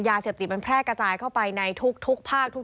ยาเสพติดมันแพร่กระจายเข้าไปในทุกภาคทุก